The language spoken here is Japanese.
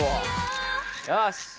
よし！